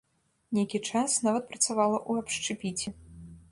Нейкі час нават працавала ў абшчэпіце.